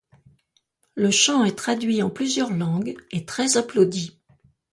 Le chant est traduit en plusieurs langues et très applaudi.